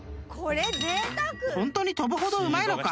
［ホントに飛ぶほどうまいのか？